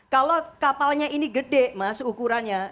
kalau kapalnya ini gede mas ukurannya